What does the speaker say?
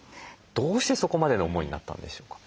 どうしてそこまでの思いになったんでしょうか？